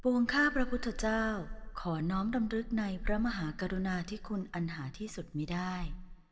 วงข้าพระพุทธเจ้าขอน้อมดำรึกในพระมหากรุณาที่คุณอันหาที่สุดไม่ได้